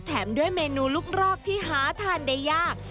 แถมด้วยเมนูลูกรอกที่หาทานได้ยาก